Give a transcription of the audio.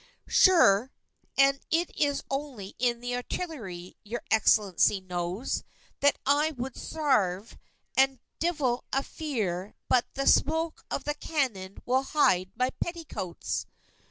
Sure, and it is only in the artillery, your Excellency knows, that I would sarve, and divil a fear but the smoke of the cannon will hide my petticoats!"